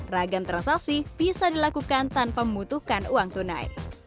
ragam transaksi bisa dilakukan tanpa membutuhkan uang tunai